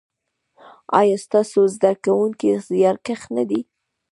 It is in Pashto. ایا ستاسو زده کونکي زیارکښ نه دي؟